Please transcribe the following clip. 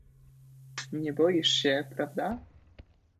"Nie boisz się, prawda?"